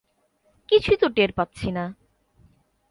কিছুই তো টের পাচ্ছি না।